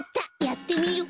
やってみる。